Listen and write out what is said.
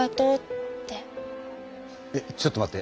えちょっと待って。